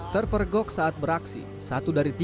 terpergok saat beraksi